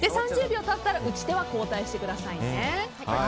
３０秒経ったら打ち手は交代してくださいね。